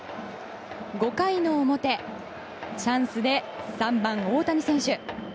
５回の表、チャンスで３番、大谷選手。